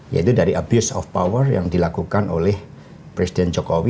yaitu dari abuse of power yang dilakukan oleh presiden jokowi